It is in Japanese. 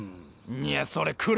いやそれ車！